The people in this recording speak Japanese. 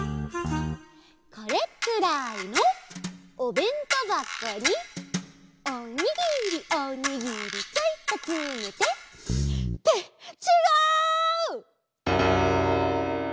「これくらいのおべんとばこに」「おにぎりおにぎりちょいとつめて」ってちがう！